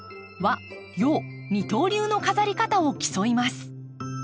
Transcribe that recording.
和・洋二刀流の飾り方を競います。